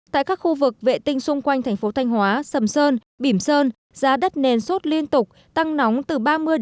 tại các khu vực vệ tinh xung quanh thành phố thanh hóa sầm sơn bỉm sơn giá đất nền sốt liên tục tăng nóng từ ba mươi